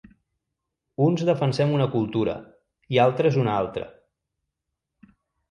Uns defensem una cultura, i altres una altra.